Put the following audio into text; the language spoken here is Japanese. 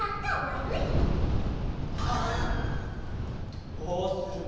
どうするの？